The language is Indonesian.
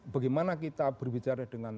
bagaimana kita berbicara